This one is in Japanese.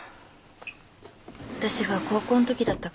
私が高校のときだったから。